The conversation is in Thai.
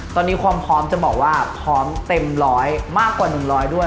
ตอนนี้ความพร้อมจะบอกว่าพร้อมเต็มร้อยมากกว่า๑๐๐ด้วย